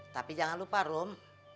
tapi jangan lupa rum